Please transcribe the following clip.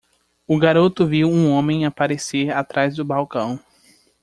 O garoto viu um homem aparecer atrás do balcão.